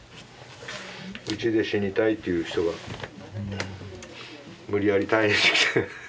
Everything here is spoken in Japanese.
うちで死にたいっていう人が無理やり退院してきて。